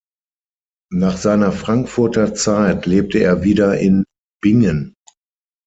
Nach seiner Frankfurter Zeit lebte er wieder in Bingen.